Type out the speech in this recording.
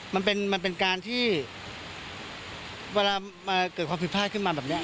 มันเป็นการที่เวลามาเกิดความผิดพลาดขึ้นมาแบบนี้